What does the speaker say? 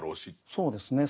そうですね。